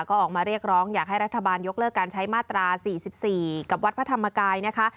ก็ออกมาเรียกร้องอยากให้รัฐบาลยกเลิกการใช้มาตรา๔๔กับวัดพระธรรมกายนะคะ